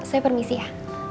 saya permisi ya